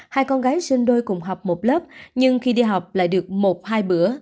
hai con gái sinh đôi cùng học một lớp nhưng khi đi học lại được một hai bữa